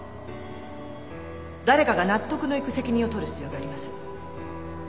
誰かが納得のいく責任を取る必要があります。